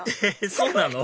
そうなの？